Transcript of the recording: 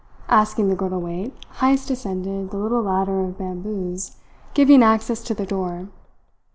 Asking the girl to wait, Heyst ascended the little ladder of bamboos giving access to the door.